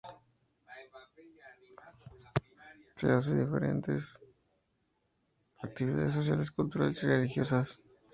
Se hacen diferentes actividades sociales, culturales y religiosas.